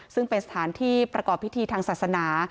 ซึ่งเป็นสถานที่ประกอบพิธีทางศาสนา